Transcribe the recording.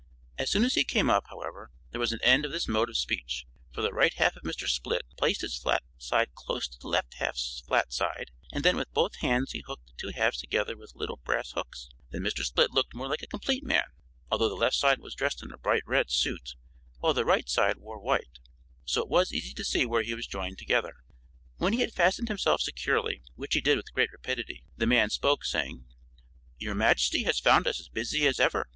As soon as he came up, however, there was an end of this mode of speech, for the right half of Mr. Split placed his flat side close to the left half's flat side and then with both hands he hooked the two halves together with little brass hooks. Then Mr. Split looked more like a complete man, although the left side was dressed in a bright red suit while the right side wore white, so it was easy to see where he was joined together. When he had fastened himself securely, which he did with great rapidity, the man spoke, saying, "Your Majesty has found us as busy as ever.